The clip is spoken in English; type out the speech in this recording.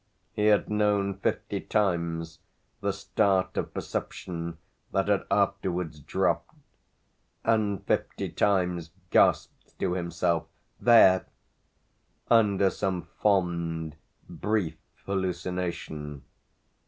He had known fifty times the start of perception that had afterwards dropped; had fifty times gasped to himself. "There!" under some fond brief hallucination.